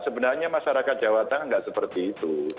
sebenarnya masyarakat jawa tengah nggak seperti itu